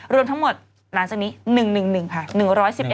รวมทั้งหมดหลังจากนี้๑๑๑ค่ะ